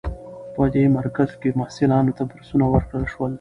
په دې مرکز کې محصلانو ته بورسونه ورکړل شول.